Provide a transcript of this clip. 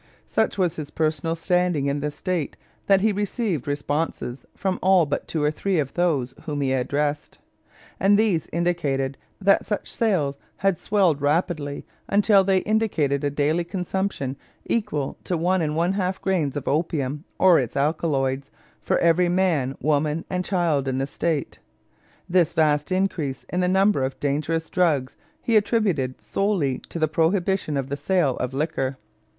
Such was his personal standing in the State that he received responses from all but two or three of those whom he addressed, and these indicated that such sales had swelled rapidly until they indicated a daily consumption equal to one and one half grains of opium or its alkaloids for every man, woman, and child in the State. This vast increase in the use of dangerous drugs he attributed solely to the prohibition of the sale of liquor.